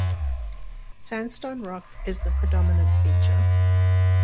Sandstone rock is the predominant feature.